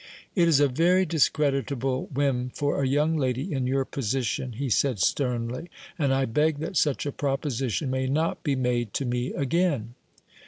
"It is a very discreditable whim for a young lady in your position," he said sternly; "and I beg that such a proposition may not be made to me again."